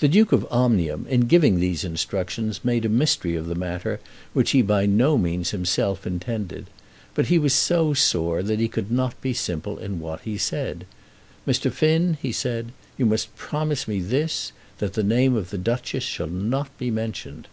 The Duke of Omnium in giving these instructions made a mystery of the matter which he by no means himself intended. But he was so sore that he could not be simple in what he said. "Mr. Finn," he said, "you must promise me this, that the name of the Duchess shall not be mentioned."